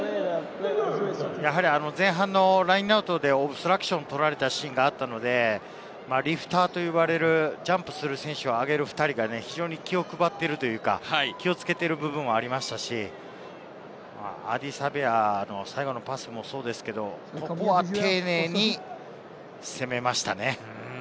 前半のラインアウトでオブストラクションを取られたシーンがあったので、リフターと呼ばれるジャンプする選手を上げるシーンが気を配っているというか、気をつけている部分がありましたし、アーディー・サヴェアの最後のパスもそうですけれど、丁寧に攻めましたね。